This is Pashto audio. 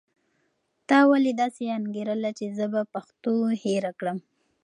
تا ولې داسې انګېرله چې زه به پښتو هېره کړم؟